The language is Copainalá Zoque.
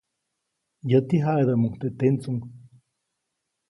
Yäti jaʼidäʼmuŋ teʼ tendsuŋ.